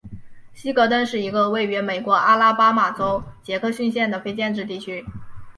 希格登是一个位于美国阿拉巴马州杰克逊县的非建制地区。